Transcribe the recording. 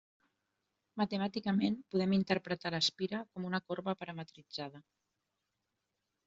Matemàticament, podem interpretar l'espira com una corba parametritzada.